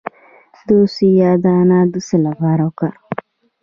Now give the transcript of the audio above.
د سویا دانه د څه لپاره وکاروم؟